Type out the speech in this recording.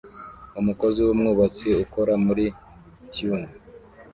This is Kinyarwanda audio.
Umukozi wubwubatsi ukora muri tunnel